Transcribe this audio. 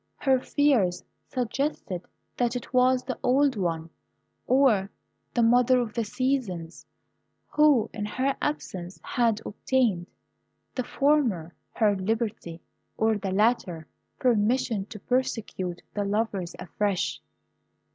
Her fears suggested that it was the old one, or the Mother of the Seasons, who in her absence had obtained, the former her liberty, or the latter permission to persecute the lovers afresh.